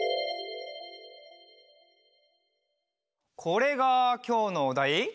これがきょうのおだい？